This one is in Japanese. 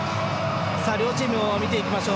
両チームを見ていきましょう。